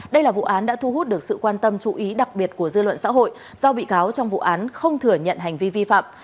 đây là vụ án đã thu hút được sự quan tâm chú ý đặc biệt của dư luận xã hội do bị cáo trong vụ án không thừa nhận hành vi vi phạm